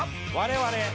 我々。